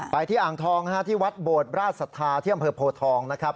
ไปที่อ่างทองที่วัดบวชราชสัทธาเที่ยงอำเภอโพทองนะครับ